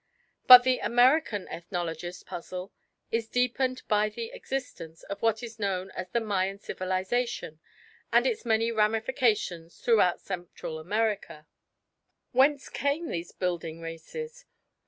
But the American ethnological puzzle is deepened by the existence of what is known as the Mayan civilisation and its many ramifications throughout Central America. Whence came these building races?